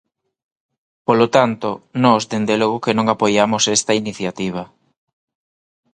Polo tanto, nós dende logo que non apoiamos esta iniciativa.